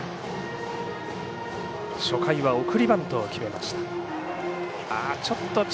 初回は送りバントを決めました。